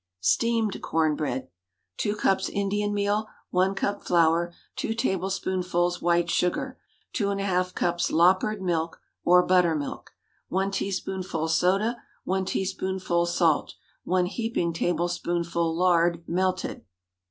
STEAMED CORN BREAD. ✠ 2 cups Indian meal. 1 cup flour. 2 tablespoonfuls white sugar. 2½ cups "loppered" milk, or buttermilk. 1 teaspoonful soda. 1 teaspoonful salt. 1 heaping tablespoonful lard, melted.